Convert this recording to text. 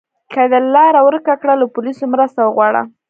که د لاره ورکه کړه، له پولیسو مرسته وغواړه.